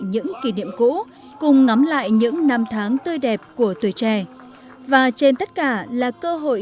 những kỷ niệm cũ cùng ngắm lại những năm tháng tươi đẹp của tuổi trẻ và trên tất cả là cơ hội